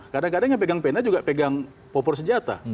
kadang kadang yang pegang pena juga pegang popor senjata